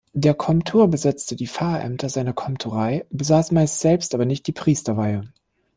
Der Komtur besetzte die Pfarrämter seiner Komturei, besaß meist selbst aber nicht die Priesterweihe.